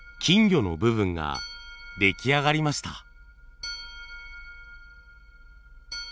金魚の部分が出来上がりました。